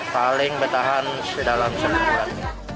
paling betahan sedalam sebulan